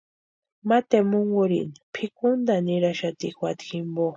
Ma tempunkurhiri pʼikuntʼani niraxati juata jimpo.